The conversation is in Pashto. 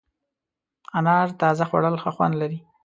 انار تازه خوړل ښه خوند لري.